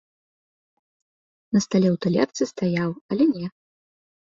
На стале ў талерцы стаяў, але не!